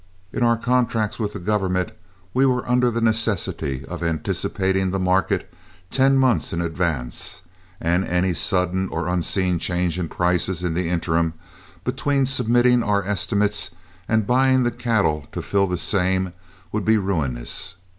In our contracts with the government, we were under the necessity of anticipating the market ten months in advance, and any sudden or unseen change in prices in the interim between submitting our estimates and buying in the cattle to fill the same would be ruinous.